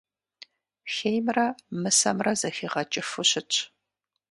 Хеймрэ мысэмрэ зэхигъэкӀыфу щытщ.